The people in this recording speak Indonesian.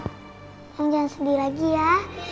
jangan jangan sedih lagi ya